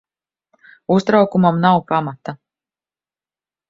Uztraukumam nav pamata.